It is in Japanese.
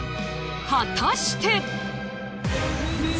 果たして。